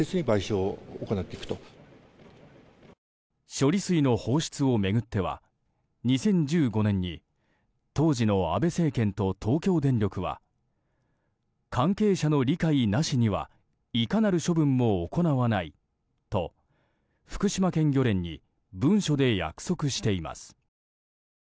処理水の放出を巡っては２０１５年に当時の安倍政権と東京電力は関係者の理解なしにはいかなる処分も行わないと福島県漁連に文書で約束しています。